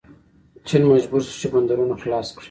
چین مجبور شو چې بندرونه خلاص کړي.